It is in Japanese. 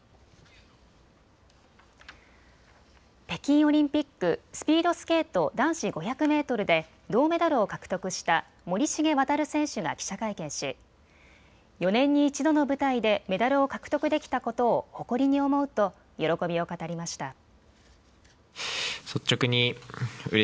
北京オリンピックスピードスケート男子５００メートルで銅メダルを獲得した森重航選手が記者会見し４年に一度の舞台でメダルを獲得できたことを誇りに思うと喜びを語りました。